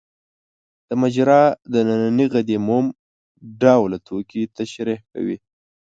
د مجرا د نني غدې موم ډوله توکي ترشح کوي.